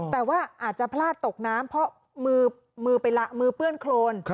แต่ว่าอาจจะพลาดตกน้ำเพราะมือไปละมือเปื้อนโครน